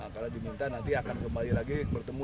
karena diminta nanti akan kembali lagi bertemu